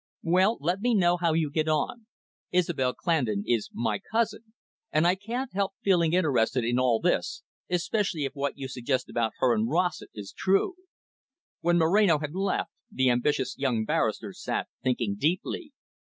"Well, let me know how you get on. Isobel Clandon is my cousin, and I can't help feeling interested in all this, especially if what you suggest about her and Rossett is true." When Moreno had left, the ambitious young barrister sat thinking deeply.